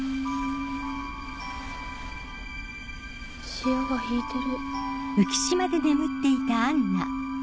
潮が引いてる。